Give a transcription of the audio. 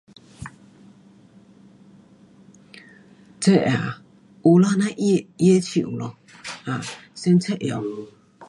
这啊，有啦那它的树咯。啊，最会用